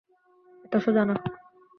এতো সোজা না।